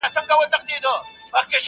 که سپی غاپي خو زه هم سم هرېدلای،